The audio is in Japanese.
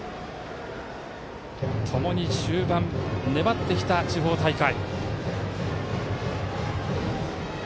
ともに終盤、粘ってきた地方大会。